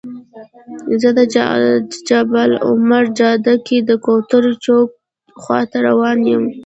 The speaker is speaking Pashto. زه د جبل العمر جاده کې د کوترو چوک خواته روان یم.